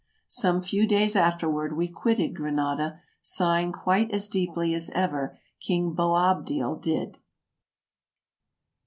Some few days afterward we quitted Granada, sighing quite as deeply as ever King Boabdil did.